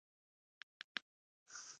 پانګونه د خطر او جرات ګډ نوم دی.